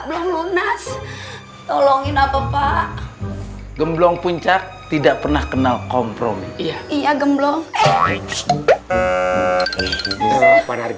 belum lunas tolongin apa pak gemblong puncak tidak pernah kenal kompromi iya gemblong